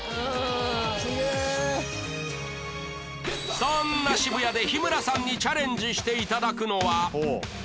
そんな渋谷で日村さんにチャレンジして頂くのは